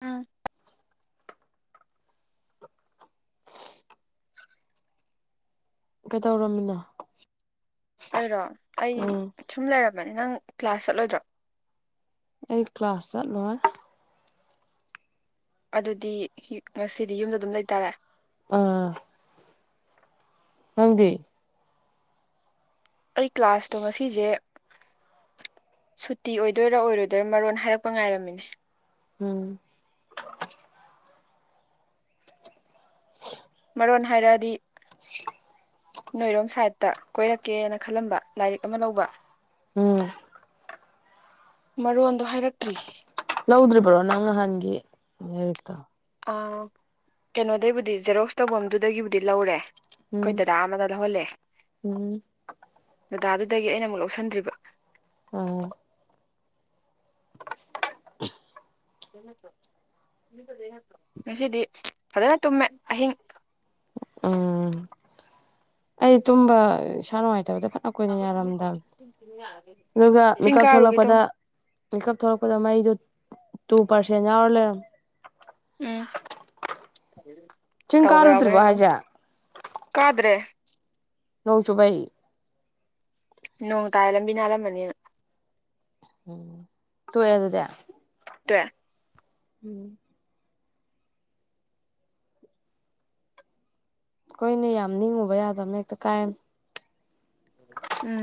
ꯎꯝ ꯀꯩꯗꯧꯔꯝꯃꯤꯅꯣ ꯑꯣꯏꯔꯣ ꯑꯩ ꯎꯝ ꯁꯨꯝ ꯂꯩꯔꯕꯅꯤ ꯅꯪ ꯀ꯭ꯂꯥꯁ ꯆꯠꯂꯣꯏꯗ꯭ꯔꯣ ꯑꯩ ꯀ꯭ꯂꯥꯁ ꯆꯠꯂꯣꯏ ꯑꯗꯨꯗꯤ ꯉꯁꯤꯗꯤ ꯌꯨꯝꯗ ꯑꯗꯨꯝ ꯂꯩꯇꯥꯔꯦ ꯎꯝ ꯅꯪ ꯗꯤ ꯑꯩ ꯀ꯭ꯂꯥꯁꯇꯣ ꯉꯁꯤꯁꯦ ꯁꯨꯇꯤ ꯑꯣꯏꯗꯣꯏꯔ ꯑꯣꯏꯔꯣꯏꯗꯣꯏꯔꯥ ꯃꯔꯣꯟ ꯍꯥꯏꯔꯛꯄ ꯉꯥꯏꯔꯝꯃꯤꯅꯦ ꯎꯝ ꯃꯔꯣꯟ ꯍꯥꯏꯔꯛꯑꯗꯤ ꯅꯣꯏꯔꯣꯝ ꯁꯥꯏꯗꯠꯇ ꯀꯣꯏꯔꯛꯀꯦꯅ ꯈꯜꯂꯝꯕ ꯂꯥꯏꯔꯤꯛ ꯑꯃ ꯂꯧꯕ ꯎꯝ ꯃꯔꯣꯟꯗꯣ ꯍꯥꯏꯔꯛꯇ꯭ꯔꯤ ꯂꯧꯗ꯭ꯔꯤꯕ꯭ꯔꯣ ꯅꯪ ꯅꯍꯥꯟꯒꯤ ꯂꯥꯏꯔꯤꯛꯇꯣ ꯀꯩꯅꯣꯗꯒꯤꯕꯨꯗꯤ ꯖꯦꯔꯣꯛꯁ ꯇꯧꯐꯝꯗꯨꯗꯒꯤꯕꯨꯗꯤ ꯂꯧꯔꯦ ꯑꯩꯈꯣꯏ ꯎꯝ ꯗꯗꯥ ꯑꯃꯅ ꯂꯧꯍꯜꯂꯑꯦ ꯎꯝ ꯗꯗꯥꯗꯨꯗꯒꯤ ꯑꯩꯅ ꯑꯃꯨꯛ ꯂꯧꯁꯤꯟꯗ꯭ꯔꯤꯕ ꯎꯝ ꯉꯁꯤꯗꯤ ꯐꯖꯅ ꯇꯨꯝꯃꯦ ꯑꯍꯤꯡ ꯎꯝ ꯑꯩ ꯇꯨꯝꯕꯥ ꯏꯁꯥ ꯅꯟꯉꯥꯏꯇꯥꯕꯥ ꯑꯩꯈꯣꯏꯅ ꯌꯥꯔꯝꯗꯕ ꯑꯗꯨꯒ ꯆꯤꯡ ꯃꯤꯀꯞ ꯀꯥꯔꯨꯒꯦ ꯇꯧ ꯊꯣꯛꯂꯛꯄꯗ ꯃꯀꯞ ꯊꯔꯛꯄꯗ ꯃꯩꯗꯨꯣ ꯇꯨ ꯄꯥꯔꯁꯦꯟ ꯌꯥꯎꯔ ꯂꯩꯔꯝꯃꯦ ꯎꯝ ꯆꯤꯡ ꯇꯧꯕ ꯌꯥꯎꯕꯅꯦ ꯀꯥꯔꯨꯗ꯭ꯔꯤꯕꯣ ꯑꯗꯨꯝ ꯍꯥꯏꯁꯦ ꯀꯥꯗ꯭ꯔꯦ ꯅꯣꯡ ꯆꯨꯕꯩ ꯅꯣꯡ ꯇꯥꯏ ꯂꯝꯕꯤ ꯅꯥꯜꯂꯝꯃꯅꯤꯅ ꯎꯝ ꯇꯣꯛꯑꯦ ꯑꯗꯨꯗꯤ ꯇꯣꯛꯑ ꯎꯝ ꯑꯩꯈꯣꯏꯅ ꯌꯥꯝ ꯅꯤꯡꯉꯨꯕ ꯌꯥꯗꯕ ꯍꯦꯛꯇ ꯀꯥꯏꯅ ꯎꯝ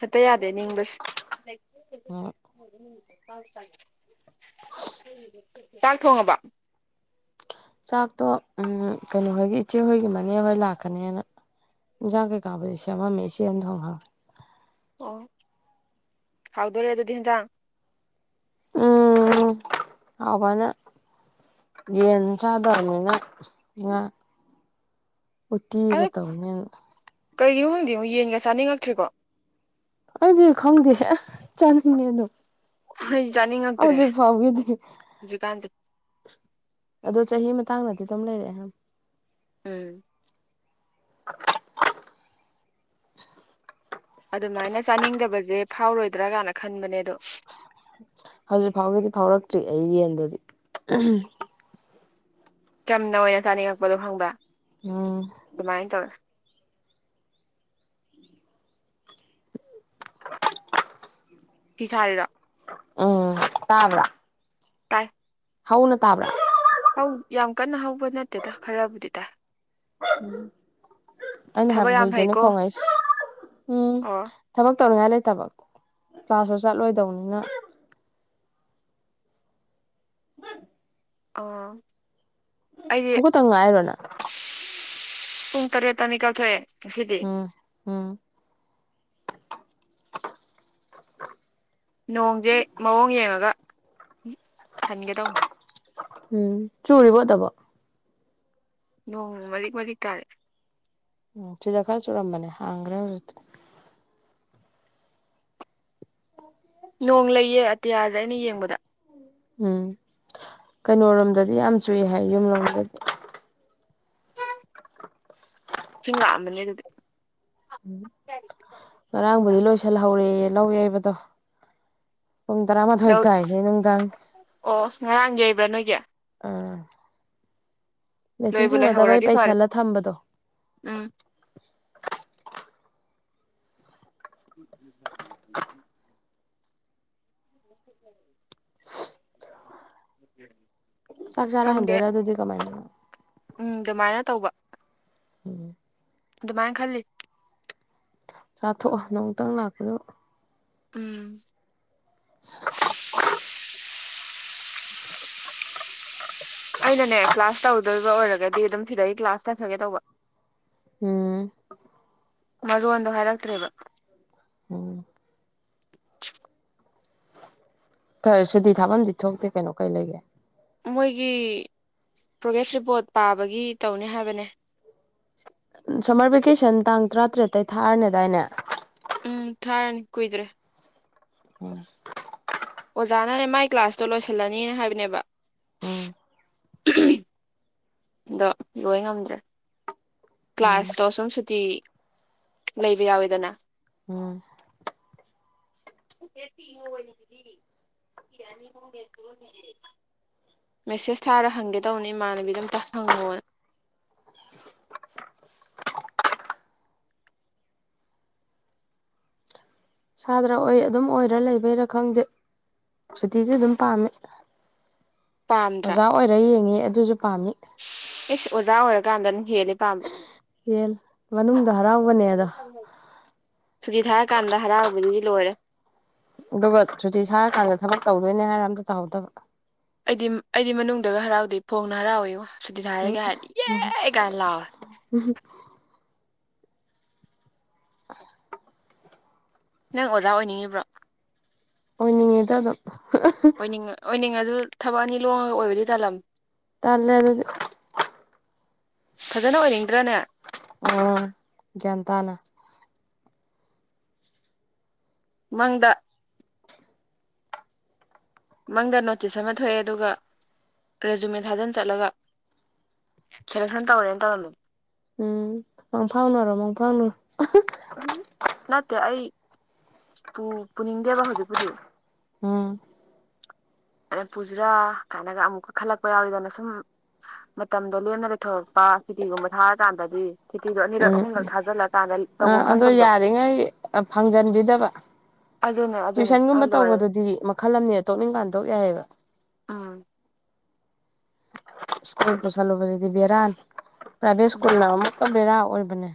ꯍꯦꯛꯇꯥ ꯌꯥꯗꯦ ꯅꯤꯡꯕꯁꯦ ꯍꯣꯏ [unintelligible] ꯆꯥꯛ ꯊꯣꯡꯉꯕꯣ ꯆꯥꯛꯇꯣ ꯎ ꯀꯩꯅꯣꯍꯣꯏꯒꯤ ꯏꯆꯦꯍꯣꯏꯒꯤ ꯃꯅꯦꯍꯣꯏ ꯂꯥꯛꯀꯅꯦꯅ ꯏꯟꯖꯥꯡ ꯀꯩꯀꯥꯕꯨꯗꯤ ꯁꯦꯝꯃꯝꯃꯤ ꯏꯆꯦꯅ ꯊꯣꯡ ꯍꯉꯦ ꯑꯣ ꯍꯥꯎꯗꯣꯣꯔꯦ ꯑꯗꯨ ꯑꯗꯨꯗꯤ ꯏꯟꯖꯥꯡ ꯎꯝ ꯍꯧꯕꯅ ꯌꯦꯟ ꯆꯥꯗꯔꯅꯤꯉ ꯑꯗꯣ ꯎꯠꯇꯤꯒ ꯇꯧꯅꯦ ꯀꯩꯒꯤꯅꯣ ꯈꯪꯗꯦ ꯌꯦꯟꯒ ꯆꯥꯅꯤꯡꯉꯛꯇ꯭ꯔꯤꯀꯣ ꯑꯩꯗꯤ ꯈꯪꯗꯦ ꯆꯥꯅꯤꯡꯉ ꯑꯗꯝ ꯑꯩ ꯍꯧꯖꯤꯛ ꯐꯥꯎꯒꯤꯗꯤ ꯖꯤꯀꯥꯟꯗꯦ ꯑꯗꯣ ꯆꯍꯤ ꯃꯇꯥꯡꯗꯗꯤ ꯑꯗꯨꯝ ꯂꯩꯔꯦ ꯎꯝ ꯑꯗꯨꯃꯥꯏꯅ ꯆꯥꯅꯤꯡꯗꯕꯁꯦ ꯐꯥꯎꯔꯣꯏꯗ꯭ꯔꯥ ꯀꯥꯏꯅ ꯈꯟꯕꯅꯦꯗꯣ ꯍꯧꯖꯤꯛ ꯐꯥꯎꯒꯤꯗꯤ ꯐꯥꯎꯔꯛꯇ꯭ꯔꯤ ꯑꯩ ꯌꯦꯟꯗꯗꯤ ꯆꯝꯅ ꯑꯣꯏꯅ ꯆꯥꯅꯤꯡꯉꯛꯄꯗꯣ ꯈꯪꯕ꯭ꯔ ꯎꯝ ꯑꯗꯨꯃꯥꯏꯅ ꯇꯧꯔꯦ ꯐꯤ ꯁꯥꯔꯤꯔꫭ ꯎꯝ ꯇꯥꯕ꯭ꯔꯥ ꯇꯥꯏ ꯍꯧꯅ ꯇꯥꯕ꯭ꯔꯥ ꯌꯥꯝ ꯀꯟꯅ ꯍꯧꯕ ꯅꯠꯇꯦꯗ ꯈꯔꯕꯨꯗꯤ ꯇꯥꯏ ꯑꯩꯅ ꯊꯕꯛ ꯍꯥꯏꯕ ꯌꯥꯝ ꯍꯨꯏꯗꯨꯅꯦ ꯐꯩꯀꯣ ꯈꯣꯡꯉꯛꯏꯁꯦ ꯎꯝ ꯑꯣ ꯊꯕꯛ ꯇꯧꯅꯤꯡꯉꯥꯏ ꯂꯩꯇꯕ ꯀ꯭ꯂꯥꯁꯁꯨꯨ ꯆꯠꯂꯣꯏꯗꯧꯕꯅꯤꯅ ꯑꯥ ꯑꯩꯗꯤ ꯍꯒꯣꯠꯇꯪ ꯉꯥꯏꯔꯤꯔꫭ ꯅꯪ ꯄꯨꯡ ꯇꯔꯦꯠꯇ ꯃꯤꯀꯛꯊꯣꯛꯑꯦ ꯉꯁꯤꯗꯤ ꯎꯝ ꯎꯝ ꯅꯣꯡꯁꯦ ꯃꯑꯣꯡ ꯌꯦꯡꯉꯒ ꯍꯟꯒꯗꯧꯅꯦ ꯎꯝ ꯆꯨꯔꯤꯕꫭ ꯑꯗꯕꯣ ꯅꯣꯡ ꯃꯔꯤꯛ ꯃꯔꯤꯛ ꯇꯥꯔ‌ꯦ ꯎꯝ ꯁꯤꯗ ꯈꯔꯥ ꯆꯨꯔꯝꯕꯅꯦ ꯍꯥꯡ꯭ꯈꯔ‌ꯦ ꯍꯧꯖꯤꯛꯇꯤ ꯅꯣꯡ ꯂꯩꯌꯦ ꯑꯇꯤꯌꯥꯁꯦ ꯑꯩꯅ ꯌꯦꯡꯕꯗ ꯎꯝ ꯀꯩꯅꯣꯔꯣꯝꯗꯗꯤ ꯌꯥꯝ ꯆꯨꯏ ꯍꯥꯏꯌ‌ꯦ ꯅꫭꯡꯖ‌ꯦ ꯏꯁꯤꯡ ꯂꯥꯛꯑꯝꯃꯅꯤ ꯑꯗꯨꯗꯤ ꯎꯝ ꯉꯔꯥꯡꯕꯨꯗꯤ ꯂꯣꯏꯁꯤꯜꯍꯧꯔꯦꯌ‌ꯦ ꯂꯧ ꯌꯩꯕꯗꯣ ꯄꯨꯡ ꯇꯔꯥꯃꯥꯊꯣꯏ ꯂꯧ ꯇꯥꯌ‌ꯦ ꯅꯨꯡꯗꯥꯡꯒꯤ ꯑꯣ ꯑꯁ ꯉꯔꯥꯡ ꯌꯩꯕ꯭ꯔꯥ ꯅꯣꯏꯒꯤ ꯑ ꯃꯦꯆꯤꯟ ꯂꯣꯏꯕꯨ ꯁꯪꯅꯗꯕꯩ ꯂꯩꯍꯧꯔꯗꯤ ꯐꯔꯦ ꯄꯩꯁꯥꯜꯂ ꯊꯝꯕꯗꯣ ꯎꯝ ꯎ ꯎ ꯎ [inaudible] ꯎꯝ [inaudible] ꯆꯥꯛꯆꯔꯥ ꯍꯟꯗꫭꯏꯔ ꯑꯗꯨꯗꯤ ꯀꯃꯥꯏꯅ ꯎꯝ ꯑꯗꯨꯃꯥꯏꯅ ꯇꯧꯕ ꯎꯝ ꯑꯗꯨꯃꯥꯏ ꯈꯜꯂꯤ ꯆꯥꯊꯣꯛꯑꫭ ꯅꫭꯡꯃꯇꯪ ꯂꯥꯛꯄꯗꯕꯨ ꯎꯝ [unintelligible] [unintelligible] ꯑꯩꯅꯅꯦ ꯀ꯭ꯂꯥꯁ ꯇꯧꯗꯣꯏꯕ ꯑꯣꯏꯔꯒꯗꯤ ꯑꯗꯨꯝ ꯁꯤꯗꯒꯤ ꯀ꯭ꯂꯥꯁ ꯆꯠꯈꯔꯒꯦ ꯇꯧꯕ ꯎꯝ ꯃꯔꯣꯟꯗꯣ ꯍꯥꯏꯔꯛꯇ꯭ꯔꯦꯕ ꯎꯝ [inaudible] ꯁꯨꯗꯤ ꯊꯥꯐꯝꯗꯤ ꯊꯣꯛꯇꯦ ꯀꯩꯅꯣ ꯀꯩ ꯂꯩꯒꯦ ꯃꯣꯏꯒꯤ ꯄ꯭ꯔꯣꯒ꯭ꯔꯦꯁ ꯔꯤꯄꯣꯠ ꯄꯥꯕꯒꯤ ꯇꯧꯅꯤ ꯍꯥꯏꯕꯅꯦ ꯁꯝꯃꯔ ꯚꯦꯀꯦꯁꯟ ꯇꯥꯡ ꯇꯔꯥꯇꯔꯦꯠꯇꯇꯩ ꯊꯥꯔꯅꯤꯗꯥꯏꯅꯦ ꯎꯝ ꯊꯥꯔꯅꯤ ꯀꯨꯏꯗ꯭ꯔꯦ ꯎꯁ ꯑꯣꯖꯥꯅꯅꯦ ꯃꯥꯏ ꯀ꯭ꯂꯥꯁꯇꯣ ꯂꯣꯏꯁꯤꯜꯂꯅꯤ ꯍꯥꯏꯕꯅꯦꯕ ꯎꯝ ꯗꯣ ꯂꯣꯏ ꯉꯝꯗ꯭ꯔꯦ ꯎꯝ ꯀ꯭ꯂꯥꯁꯇꯣ ꯁꯨꯝ ꯁꯨꯇꯤ ꯂꯩꯕ ꯌꯥꯎꯋꯦꯗꯅ ꯎꯝ [unintelligible] [unintelligible] [unintelligible] ꯌꯥꯅꯤ ꯃꯦꯁꯦꯁ ꯊꯥꯔ ꯍꯪꯒꯦ ꯇꯧꯕꯅꯦ ꯏꯃꯥꯟꯅꯕꯤꯗꯣ ꯑꯝꯇ ꯍꯪꯉꯣꯅ ꯁꯥꯗ꯭ꯔ ꯑꯣꯏ ꯑꯗꯨꯝ ꯑꯣꯏꯔ ꯂꯩꯕꯩꯔꯥ ꯈꯪꯗꯦ ꯁꯨꯇꯤꯗꯤ ꯑꯗꯨꯝ ꯄꯥꯝꯃꯦ ꯄꯥꯝꯗ꯭ꯔꯥ ꯑꯣꯏꯔ ꯌꯦꯡꯉꯤ ꯑꯗꯨꯁꯨ ꯄꯥꯝꯃꯤ ꯏꯁꯁ ꯑꯣꯖꯥ ꯑꯣꯏꯔꯀꯥꯟꯗ ꯑꯗꯨꯝ ꯍꯦꯂꯦ ꯄꯥꯝꯕ ꯌꯦꯟ ꯃꯅꯨꯡꯗ ꯍꯔꯥꯎꯕꯅꯦ ꯑꯗꯣ ꯁꯨꯇꯤ ꯊꯥꯔꯀꯥꯟꯗ ꯍꯔꯥꯎꯕꯗꯨꯗꯤ ꯂꯣꯏꯔꯦ ꯑꯗꯨꯒ ꯁꯨꯇꯤ ꯁꯥꯔꯀꯥꯟꯗ ꯊꯕꯛ ꯇꯧꯗꯣꯏꯅꯦ ꯍꯥꯏꯔꯒꯥ ꯑꯝꯇ ꯇꯧꯍꯧꯗꯕ ꯑꯩꯗꯤ ꯑꯩꯗꯤ ꯃꯅꯨꯡꯗꯒ ꯍꯔꯥꯎꯗꯦ ꯐꯣꯡꯅ ꯍꯔꯥꯎꯋꯦꯉꯣ ꯁꯨꯇꯤ ꯊꯔꯦꯒꯥ ꯍꯥꯏꯔꯒꯦ ꯍꯥꯏꯔꯗꯤ ꯌꯦ ꯀꯥꯏꯅ ꯂꯥꯎꯋꯦ ꯍꯨꯝ [inaudible] [unintelligible] ꯅꯪ ꯑꯣꯖꯥ ꯑꯣꯏꯅꯤꯡꯉꯤꯕ꯭ꯔꯣ ꯑꯣꯏꯅꯤꯡꯉꯤꯗ ꯑꯗꯨꯝ ꯑꯣꯏꯅꯤꯡꯉ ꯑꯣꯏꯅꯤꯡꯉꯁꯨ ꯊꯕꯛ ꯑꯅꯤ ꯂꯣꯡꯉꯒ ꯑꯣꯏꯕꯗꯤ ꯇꯥꯜꯂꯝꯃꯦ ꯇꯂꯦ ꯑꯗꯨꯗꯤ ꯐꯖꯅ ꯑꯣꯏꯅꯤꯡꯗ꯭ꯔꯥꯅꯦ ꯎꯝ ꯒꯌ꯭ꯥꯟ ꯇꯥꯅꯥ ꯃꯪꯗ ꯃꯪꯗ ꯅꯣꯇꯤꯁ ꯑꯃ ꯊꯣꯛꯑꯦ ꯑꯗꯨꯒ ꯔꯦꯖꯨꯃꯦꯟ ꯊꯥꯗꯟ ꯆꯠꯂꯒ ꯁꯦꯂꯦꯛꯁꯟ ꯇꯧꯋꯦꯅꯥ ꯇꯧꯔꯝꯃꯦ ꯎꯝ ꯃꯪꯐꯥꯎꯅꯔꯣ ꯃꯪꯐꯥꯎꯅꯔꯣ ꯎꯝ ꯅꯠꯇꯦ ꯑꯩ ꯄꯨ ꯄꯨꯅꯤꯡꯗꯦꯕ ꯍꯧꯖꯤꯛꯄꯨꯗꯤ ꯎꯝ ꯑ ꯄꯨꯁꯤꯔꯥ ꯀꯥꯏꯅꯒ ꯑꯃꯨꯛꯀ ꯈꯜꯂꯛꯄ ꯌꯥꯎꯋꯤꯗꯅ ꯁꯨꯝ ꯃꯇꯝꯗꯣ ꯂꯦꯝꯅ ꯂꯩꯊꯣꯔꯛꯄ ꯁꯨꯇꯤꯒꯨꯝꯕ ꯊꯥꯔꯀꯥꯟꯗꯗꯤ ꯁꯨꯇꯤꯗꯣ ꯑꯅꯤꯔꯛ ꯑꯍꯨꯝꯂꯛ ꯊꯥꯖꯤꯜꯂꯀꯥꯟꯗ ꯑ ꯇꯧꯕꯝ ꯑꯗꯣ ꯈꯪꯗꯕꯗꯣ ꯌꯥꯔꯤꯉꯩ ꯐꯪꯖꯟꯕꯤꯗꯕ ꯑꯗꯨꯅꯦ ꯑꯗꯨꯅꯦ ꯑꯗꯨ ꯇ꯭ꯋꯏꯁꯟꯒꯨꯝꯕ ꯂꯣꯏꯔꯦ ꯇꯧꯕꯗꯨꯗꯤ ꯃꯈꯜ ꯑꯃꯅꯦ ꯇꯣꯛꯅꯤꯡꯀꯥꯟ ꯊꯣꯛꯄꯥ ꯌꯥꯏꯌꯦꯕ ꯎꯝ ꯁ꯭ꯀꯨꯜ ꯄꯁꯂꯣꯕꯁꯤꯗꯤ ꯕꯤꯔꯥꯅꯤ ꯄ꯭ꯔꯥꯏꯚꯦꯠ ꯁ꯭ꯀꯨꯜ ꯅꯥ ꯃꯥꯅꯦ ꯑꯃꯨꯛ ꯄꯨꯔꯥ ꯕꯦꯔꯥ ꯑꯣꯏꯕꯅꯦ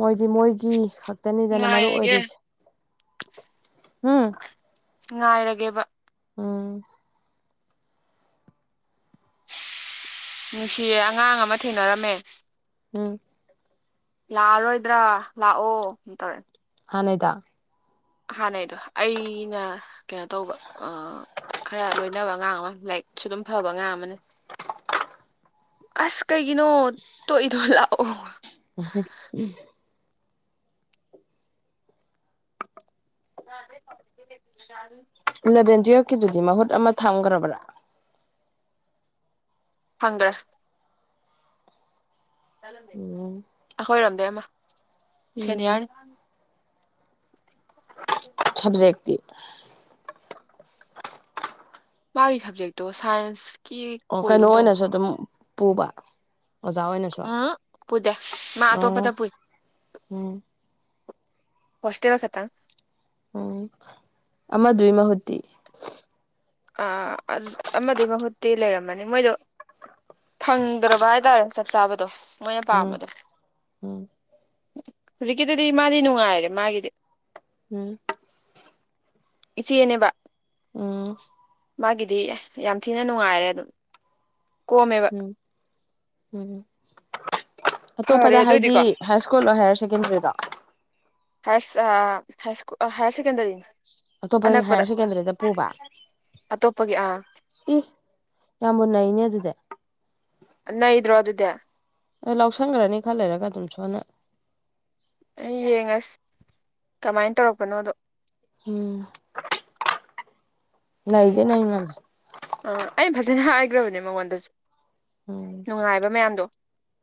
ꯃꯣꯏꯗꯤ ꯃꯣꯏꯒꯤ ꯈꯛꯇꯅꯤꯗꯅ ꯃꯔꯨ ꯉꯥꯏꯔꯒꯦ ꯑꯣꯏꯔꯤꯁꯦ ꯎꯝ ꯉꯥꯏꯔꯒꯦꯕ ꯎꯝ ꯅꯨꯡꯁꯤꯌꯦ ꯑꯉꯥꯡ ꯑꯃ ꯊꯦꯡꯅꯔꯝꯃꯦ ꯎꯝ ꯂꯥꯛꯑꯔꯣꯏꯗ꯭ꯔꯥ ꯂꯥꯛꯑꯣ ꯇꯧꯔꯛ ꯑꯦ ꯍꯥꯅꯩꯗ ꯍꯥꯟꯅꯩꯗꯣ ꯑꯩꯅ ꯀꯩꯅꯣ ꯇꯧꯕ ꯑꯥ ꯈꯔ ꯂꯣꯏꯅꯕ ꯑꯉꯥꯡ ꯑꯃ ꯂꯥꯏꯔꯤꯛꯁꯨ ꯑꯗꯨꯝ ꯐꯕ ꯑꯉꯥꯡ ꯑꯃꯅꯦ ꯑꯁ ꯀꯩꯒꯤꯅꯣ ꯇꯣꯛꯏꯗꯣ ꯂꯥꯛꯑꯣ [unintelligible] [unintelligible] ꯏꯂꯚꯦꯟ ꯇꯨꯌꯦꯞꯀꯤꯗꯨꯗꯤ ꯃꯍꯨꯠ ꯑꯃ ꯊꯝꯈ꯭ꯔꯕꯔꯥ ꯈꯪꯗꯦ ꯎꯝ ꯑꯈꯣꯏꯔꯣꯝꯗꯩ ꯑꯃ ꯎꯝ ꯁꯦꯅꯤꯌꯥꯔꯅꯤ ꯁꯕꯖꯦꯛ ꯇꯤ ꯃꯥꯢ ꯁꯕꯖꯦꯛꯇꯣ ꯁꯥꯏꯟꯁ ꯑꯣ ꯀꯩꯅꯣ ꯑꯣꯏꯅꯁꯨ ꯑꯗꯨꯝ ꯄꯨꯕ ꯑꯣꯖꯥ ꯑꯣꯏꯅꯁꯨ ꯎꯝ ꯄꯨꯗꯦ ꯃꯥ ꯑꯣ ꯑꯇꯣꯞꯄꯗ ꯄꯨꯏ ꯎꯝ ꯍꯣꯁꯇꯦꯜ ꯈꯇꯪ ꯎꯝ ꯑꯃꯗꯨꯢ ꯃꯍꯨꯠꯇꯤ ꯑꯥ ꯑꯁ ꯑꯃꯗꯨꯏ ꯃꯍꯨꯠꯇꯤ ꯂꯩꯔꯝꯃꯅꯤ ꯃꯣꯏꯗꯣ ꯐꯪꯗ꯭ꯔꯕ ꯍꯥꯏꯇꯥꯔꯦ ꯆꯞ ꯆꯥꯕꯗꯣ ꯃꯣꯏꯅ ꯎꯝ ꯄꯥꯝꯕꯗꯣ ꯎꯝ ꯍꯧꯖꯤꯛꯀꯤꯗꯨꯗꯤ ꯃꯥꯗꯤ ꯅꯨꯡꯉꯥꯏꯔꯦ ꯃꯥꯒꯤꯗꯤ ꯎꯝ ꯏꯆꯦꯅꯦꯕ ꯎꯝ ꯃꯥꯒꯤꯗꯤ ꯌꯥꯝ ꯊꯤꯅ ꯅꯨꯡꯉꯥꯏꯔꯦ ꯑꯗꯨꯝ ꯀꯣꯝꯃꯦ ꯎꯝ ꯐꯔꯦ ꯑꯇꯣꯞꯄꯗ ꯍꯥꯏꯗꯤ ꯑꯗꯨꯑꯣꯏꯗꯤꯀꯣ ꯍꯥꯏ ꯁ꯭ꯀꯨꯜꯂꯣ ꯍꯥꯏꯌꯔ ꯁꯦꯀꯦꯟꯗꯔꯤꯔꯣ [unintelligible] ꯍꯥꯢꯌꯔ ꯁꯦꯀꯦꯟꯗꯔꯤ ꯑꯇꯣꯞꯄꯩ ꯍꯥꯏꯌꯔ ꯁꯦꯀꯦꯟꯗꯔꯤꯗ ꯄꯨꯕ ꯑꯇꯣꯞꯄꯒꯤ ꯑꯥ ꯏ ꯌꯥꯝ ꯃꯨꯟꯅꯩꯅꯦ ꯑꯗꯨꯗꯤ ꯅꯩꯗ꯭ꯔꯣ ꯑꯗꯨꯗꯤ ꯂꯧꯁꯟꯒ꯭ꯔꯅꯤ ꯈ ꯂꯩꯔꯒ ꯑꯗꯨꯝ ꯁꯣꯟꯅ ꯑꯩ ꯌꯦꯡꯉꯁꯤ ꯀꯃꯥꯏ ꯇꯧꯔꯛꯄꯅꯣꯗꯣ ꯎꯝ ꯅꯩꯗꯤ ꯅꯩ ꯃꯥ ꯑꯥ ꯑꯩ ꯐꯖꯅ ꯍꯥꯏꯒ꯭ꯔꯕꯅꯦ ꯃꯉꯣꯟꯗꯁꯨ ꯎꯝ ꯅꯨꯡꯉꯥꯏꯕ ꯃꯌꯥꯝꯗꯣ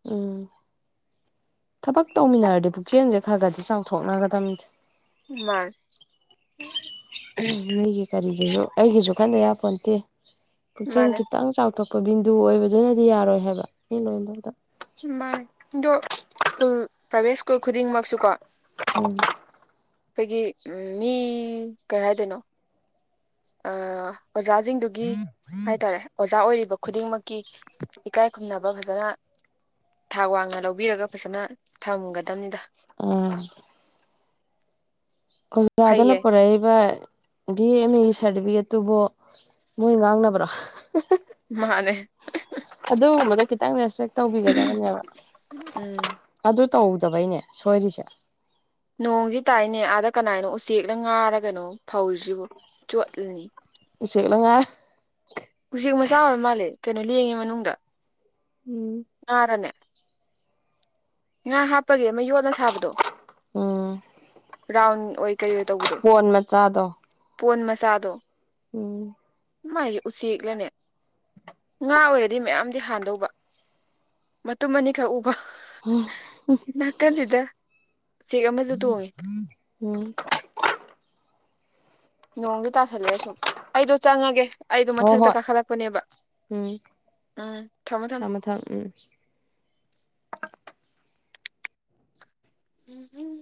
ꯎꯝ ꯊꯕꯛ ꯇꯧꯃꯤꯟꯅꯔꯗꯤ ꯄꯨꯛꯆꯦꯟꯁꯦ ꯈ ꯈꯗꯤ ꯆꯥꯎꯊꯣꯛꯅꯒꯗꯝꯅꯤꯁꯦ ꯃꯥꯅꯤ ꯎꯝ ꯃꯤꯒꯤ ꯀꯔꯤꯒꯤꯁꯨ ꯑꯩꯒꯤꯁꯨ ꯈꯟꯗ ꯌꯥꯄꯣꯟꯇꯦ ꯄꯨꯛꯆꯦꯟ ꯃꯥꯅꯦ ꯈꯤꯠꯇꯪ ꯆꯥꯎꯊꯣꯛꯄ ꯕꯤꯟꯗꯨ ꯑꯣꯏꯕꯗꯨꯅꯗꯤ ꯌꯥꯔꯣꯏ ꯍꯥꯏꯕ ꯃꯤ ꯂꯣꯢꯅꯕꯗ ꯃꯥꯅꯦ ꯑꯗꯣ ꯁ꯭ꯀꯨꯜ ꯄ꯭ꯔꯥꯏꯚꯦꯠ ꯁ꯭ꯀꯨꯜ ꯈꯨꯗꯤꯡꯃꯛꯁꯨꯀꯣ ꯎꯝ ꯈꯣꯏꯒꯤ ꯎꯝ ꯃꯤ ꯀꯩ ꯍꯥꯏꯗꯣꯏꯅꯣ ꯑꯥ ꯑꯣꯖꯥꯖꯤꯡꯗꯨꯒꯤ ꯍꯥꯏꯇꯥꯔꯦ ꯑꯣꯖꯥ ꯑꯣꯏꯔꯤꯕ ꯈꯨꯗꯤꯡꯃꯛꯀꯤ ꯏꯀꯥꯏ ꯈꯨꯝꯅꯕ ꯐꯖꯅ ꯊꯥꯛ ꯋꯥꯡꯅ ꯂꯧꯕꯤꯔꯒ ꯐꯖꯅ ꯊꯝꯒꯗꯝꯅꯤꯗ ꯎꯝ ꯈꯨꯖꯥꯗꯨꯅ ꯐꯩꯌꯦ ꯄꯨꯔꯛꯏꯕ ꯚꯤ ꯑꯦꯝ ꯑꯦꯒꯤ ꯁꯥꯔꯇꯤꯐꯤꯀꯦꯠꯇꯨꯕꯨ ꯃꯣꯏ ꯉꯥꯡꯅꯕ꯭ꯔꯣ ꯃꯥꯅꯦ ꯑꯗꯨꯒꯨꯝꯕꯗꯣ ꯈꯤꯇꯪ ꯔꯦꯁꯄꯦꯛ ꯇꯧꯕꯤꯒꯗꯕꯅꯦꯕ ꯎꯝ ꯑꯗꯨ ꯇꯧꯗꯕꯩꯅꯦ ꯁꯣꯏꯔꯤꯁꯦ ꯅꯣꯡꯗꯤ ꯇꯥꯏꯅꯦ ꯑꯥꯗ ꯀꯅꯥꯏꯅꯣ ꯎꯆꯦꯛꯅ ꯉꯥꯔꯒꯅꯣ ꯐꯧꯔꯤꯁꯤꯕꯨ ꯆꯣꯠꯂꯅꯤ ꯎꯆꯦꯛ ꯂ ꯉꯥ ꯎꯆꯦꯛ ꯃꯆꯥ ꯑꯣꯏꯔ ꯃꯥꯜꯂꯦ ꯀꯩꯅꯣ ꯂꯦꯡꯉꯦ ꯃꯅꯨꯡꯗ ꯎꯝ ꯉꯥꯔꯅꯦ ꯉꯥ ꯍꯥꯞꯄꯒꯤ ꯑꯃ ꯌꯣꯠꯅ ꯁꯥꯕꯗꯣ ꯎꯝ ꯔꯥꯎꯟ ꯑꯣꯏ ꯀꯩ ꯑꯣꯏ ꯇꯧꯕꯗꯣ ꯀꯣꯟ ꯃꯆꯥꯗꯣ ꯄꯣꯟ ꯃꯆꯥꯗꯣ ꯎꯝ ꯃꯥꯥꯏꯁ ꯎꯆꯦꯛꯂꯅꯦ ꯉꯥ ꯑꯣꯏꯔꯗꯤ ꯃꯌꯥꯝꯗꯤ ꯍꯥꯟꯗꯧꯕ ꯃꯇꯨꯝ ꯃꯅꯤ ꯒꯛ ꯎꯕ ꯅꯥꯀꯟꯁꯤꯗ ꯎꯆꯦꯛ ꯑꯃꯁꯨ ꯇꯣꯡꯉꯤ [unintelligible] ꯅꯣꯡꯁꯨ ꯇꯥꯁꯜꯂꯛꯑꯦ ꯁꯨꯝ ꯑꯩꯗꯣ ꯆꯪꯉꯒꯦ ꯑꯩꯗꯣ ꯍꯣ ꯃꯊꯛꯇ ꯍꯣꯏ ꯀꯥꯈꯠꯂꯛꯄꯅꯦꯕ ꯎꯝ ꯎꯝ ꯊꯝ ꯃꯣ ꯊꯝꯃꯣ ꯊꯥꯝ ꯃꯣ ꯊꯝ ꯎꯝ ꯎꯝ ꯎꯝ